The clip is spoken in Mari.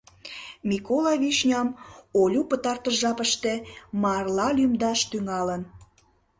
Микола Вишням Олю пытартыш жапыште марла лӱмдаш тӱҥалын.